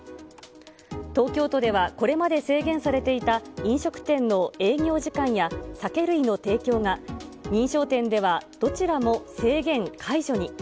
東京都ではこれまで制限されていた飲食店の営業時間や酒類の提供が、認証店ではどちらも制限解除に。